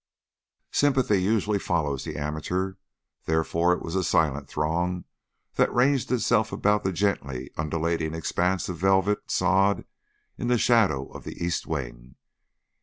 Sympathy usually follows the amateur, therefore it was a silent throng that ranged itself about the gently undulating expanse of velvet sod in the shadow of the east wing.